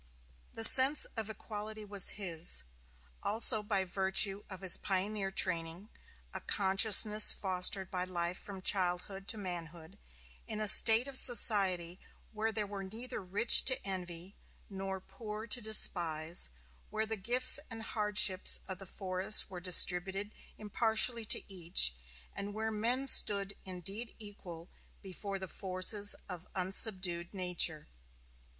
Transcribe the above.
The sense of equality was his, also by virtue of his pioneer training a consciousness fostered by life from childhood to manhood in a state of society where there were neither rich to envy nor poor to despise, where the gifts and hardships of the forest were distributed impartially to each, and where men stood indeed equal before the forces of unsubdued nature.